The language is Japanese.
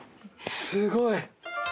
すごい。